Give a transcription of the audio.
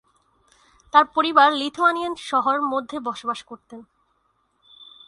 তার পরিবার লিথুয়ানিয়ান শহর মধ্যে বসবাস করতেন।